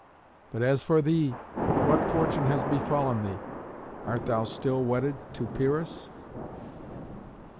But as for thee, what fortune has befallen thee? Art thou still wedded to Pyrrhus?"